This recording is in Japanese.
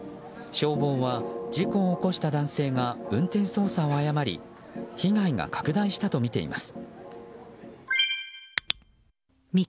消防は、事故を起こした男性が運転操作を誤り被害が拡大したとみています。